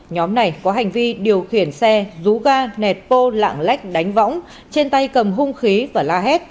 nhóm này có hành vi điều khiển xe rú ga nẹt bô lạng lách đánh võng trên tay cầm hung khí và la hét